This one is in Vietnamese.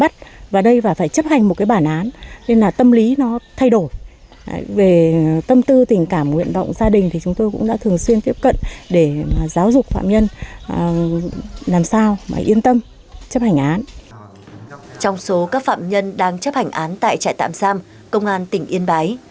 các phạm nhân đang chấp hành án tại trại tạm giam công an tỉnh yên bái